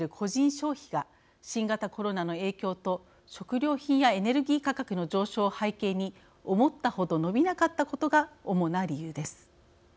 消費が新型コロナの影響と食料品やエネルギー価格の上昇を背景に思った程、伸びなかったことが主な理由です。